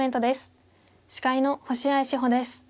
司会の星合志保です。